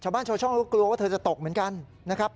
ชาวช่องก็กลัวว่าเธอจะตกเหมือนกันนะครับ